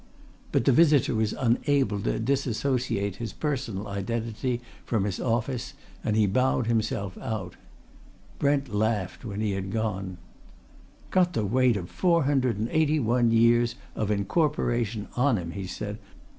But the visitor was unable to disassociate his personal identity from his office, and he bowed himself out. Brent laughed when he had gone. "Got the weight of four hundred and eighty one years of incorporation on him!" he said.